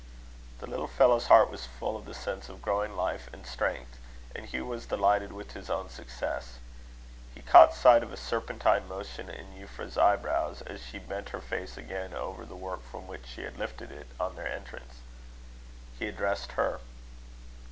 The little fellow's heart was full of the sense of growing life and strength, and Hugh was delighted with his own success. He caught sight of a serpentine motion in Euphra's eyebrows, as she bent her face again over the work from which she had lifted it on their entrance. He addressed her.